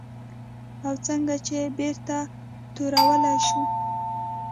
او څنګه یې بېرته تورولی شو؟